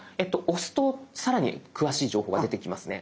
押すとさらに詳しい情報が出てきますね。